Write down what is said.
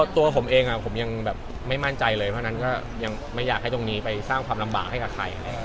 ตัวผมเองผมยังแบบไม่มั่นใจเลยเพราะฉะนั้นก็ยังไม่อยากให้ตรงนี้ไปสร้างความลำบากให้กับใคร